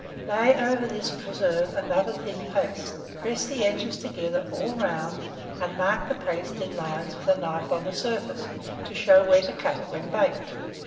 Lay over this preserve another thin paste; press the edges together all round; and mark the paste in lines with a knife on the surface, to show where to cut it when baked.